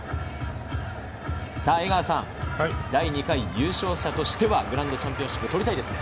江川さん、第２回優勝者としてはグランドチャンピオンシップ取りたいですね。